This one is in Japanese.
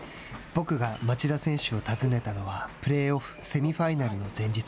僕が町田選手を訪ねたのはプレーオフ・セミファイナルの前日。